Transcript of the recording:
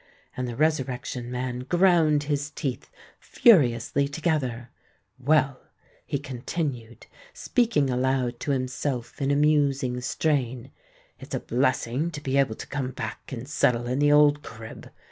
"—and the Resurrection Man ground his teeth furiously together. "Well," he continued, speaking aloud to himself in a musing strain, "it's a blessing to be able to come back and settle in the old crib!